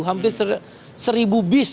hampir seribu bis